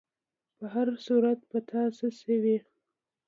په هر صورت، په تا څه شوي؟